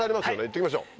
言っときましょう。